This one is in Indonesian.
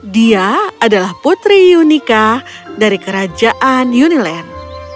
dia adalah putri yunika dari kerajaan uniland